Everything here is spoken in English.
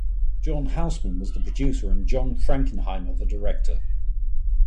John Houseman was the producer and John Frankenheimer the director.